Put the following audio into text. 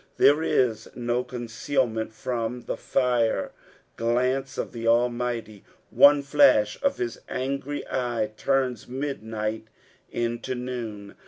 There is no conceal ment from the fire glance of the AInughty — one flash of hia angry eye turns midnight into noon.